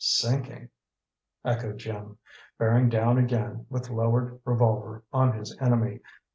"Sinking!" echoed Jim, bearing down again, with lowered revolver, on his enemy.